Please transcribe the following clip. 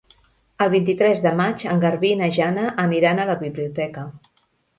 El vint-i-tres de maig en Garbí i na Jana aniran a la biblioteca.